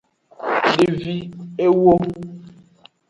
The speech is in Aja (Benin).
Devi ewo.